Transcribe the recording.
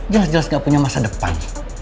jelas jelas gak punya masa depan